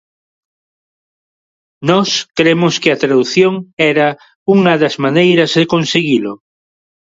Nós cremos que a tradución era unha das maneiras de conseguilo.